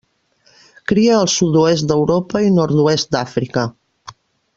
Cria al sud-oest d'Europa i nord-oest d'Àfrica.